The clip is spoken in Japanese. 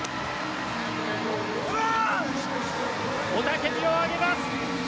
雄たけびを上げます。